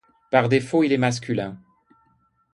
Par défaut il est masculin.